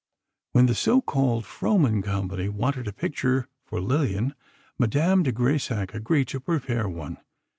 When the so called Frohman company wanted a picture for Lillian, Madame de Grésac agreed to prepare one.